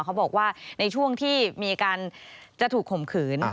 เขาบอกว่าในช่วงที่มีการจะถูกข่มขืน